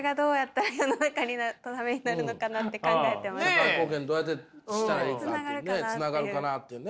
社会貢献どうやってしたらいいかってねつながるかなっていうね。